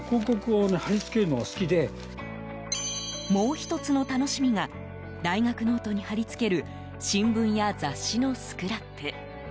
もう１つの楽しみが大学ノートに貼り付ける新聞や雑誌のスクラップ。